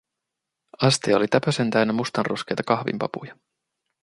Astia oli täpösen täynnä mustanruskeita kahvinpapuja.